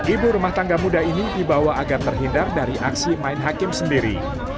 ibu rumah tangga muda ini dibawa agar terhindar dari aksi main hakim sendiri